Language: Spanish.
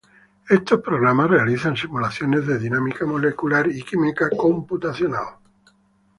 Estos programas realizan simulaciones de dinámica molecular y química computacional.